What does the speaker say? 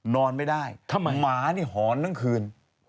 นอนไม่ได้ทำไมหมานี่หอนทั้งคืน